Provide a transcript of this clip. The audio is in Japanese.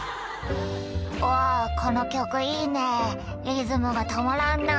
「おぉこの曲いいねリズムがたまらんな」